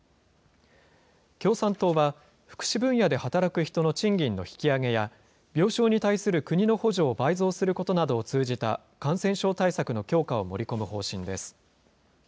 共産党は福祉分野で働く人の賃金の引き上げや、病床に対する国の補助を倍増することなどを通じた感染症対策の強化を盛り込む方針です。